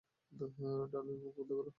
ডার্নেল, মুখ বন্ধ করো!